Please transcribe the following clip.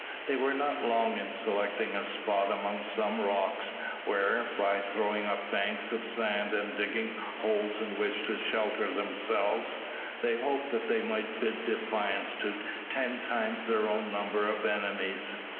They were not long in selecting a spot among some rocks, where, by throwing up banks of sand and digging holes in which to shelter themselves, they hoped that they might bid defiance to ten times their own number of enemies.